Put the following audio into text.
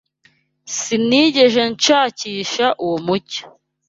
Sinigeze nshakisha uwo mucyo